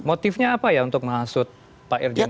motifnya apa ya untuk menghasut pak irjen